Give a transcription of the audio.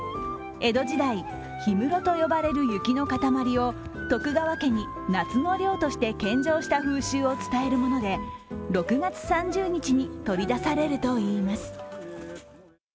江戸時代、氷室と呼ばれる雪の塊を徳川家に夏の涼として献上した風習を伝えるもので６月３０日に取り出されるといいます